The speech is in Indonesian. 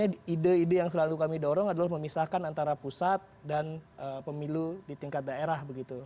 jadi ide ide yang selalu kami dorong adalah memisahkan antara pusat dan pemilu di tingkat daerah begitu